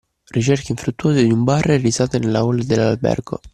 Ricerche infruttuose di un bar e risate nella hall dell’albergo